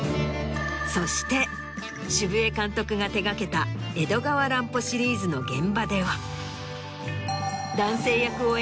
そして渋江監督が手掛けた江戸川乱歩シリーズの現場では。